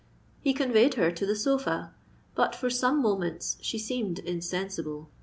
He conveyed her to the sofa; but for some moments she seemed insensible.